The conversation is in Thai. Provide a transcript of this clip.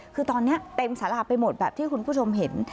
คือตอนนี้เต็มสาราไปหมดแบบที่คุณผู้ชมเห็น